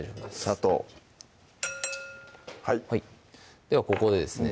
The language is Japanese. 砂糖はいではここでですね